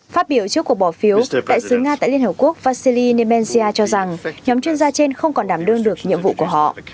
phát biểu trước cuộc bỏ phiếu đại sứ nga tại liên hợp quốc vasily nemensia cho rằng nhóm chuyên gia trên không còn đảm đương được nhiệm vụ của họ